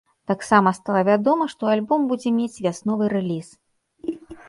Таксама стала вядома, што альбом будзе мець вясновы рэліз.